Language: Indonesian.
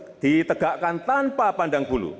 harus ditegakkan tanpa pandang bulu